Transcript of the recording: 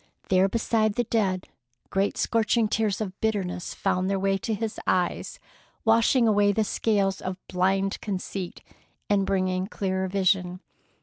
There beside the dead, great scorching tears of bitterness found their way to his eyes, washing away the scales of blind conceit, and bringing clearer vision.